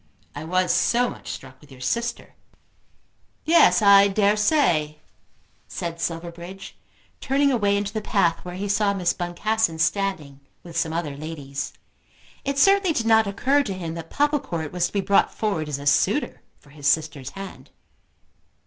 "I was so much struck with your sister." "Yes; I dare say," said Silverbridge, turning away into the path where he saw Miss Boncassen standing with some other ladies. It certainly did not occur to him that Popplecourt was to be brought forward as a suitor for his sister's hand.